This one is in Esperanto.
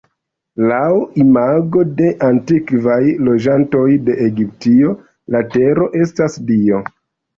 Laŭ imago de antikvaj loĝantoj de Egiptio, la tero estas dio.